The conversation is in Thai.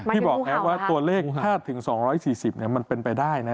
พี่บอกแหละว่าตัวเลขถ้าถึง๒๔๐มันเป็นไปได้นะ